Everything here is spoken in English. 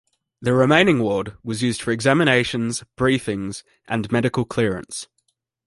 The remaining ward was used for examinations, briefings and medical clearance.